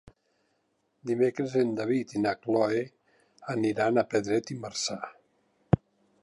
Dimecres en David i na Cloè aniran a Pedret i Marzà.